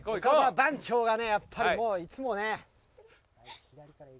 番長がねやっぱりいつもね。